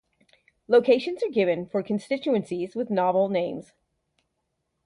Locations are given for constituencies with novel names.